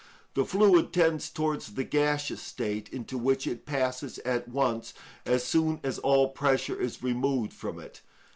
The fluid tends towards the gaseous state, into which it passes at once as soon as all pressure is removed from it.